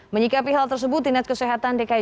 menyikapi hal tersebut dkij